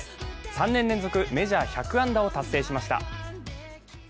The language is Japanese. ３年連続メジャー１００安打を達成しました。